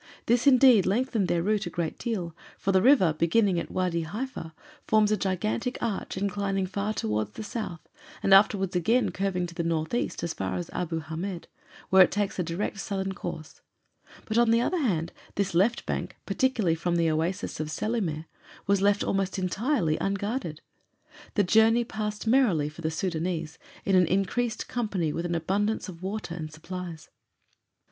This indeed lengthened their route a great deal, for the river, beginning at Wâdi Haifa, forms a gigantic arch inclining far towards the south and afterwards again curving to the northeast as far as Abu Hâmed, where it takes a direct southern course, but on the other hand this left bank, particularly from the Oasis of Selimeh, was left almost entirely unguarded. The journey passed merrily for the Sudânese in an increased company with an abundance of water and supplies.